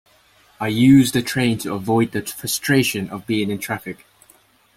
I use the train to avoid the frustration of being in traffic.